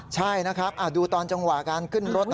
ใช่นะครับดูตอนจังหวะการขึ้นรถ